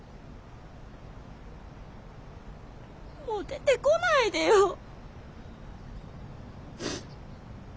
もう出てこないでよ！